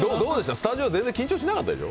スタジオ緊張しなかったでしょ？